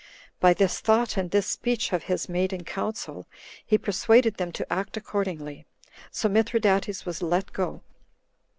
By this thought, and this speech of his made in council, he persuaded them to act accordingly; so Mithridates was let go.